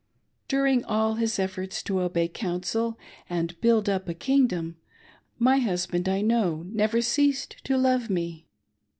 During all his efforts to obey counsel and build up a " kingdom," my husband, I know, never ceased to love me.